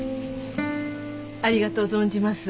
ありがとう存じます。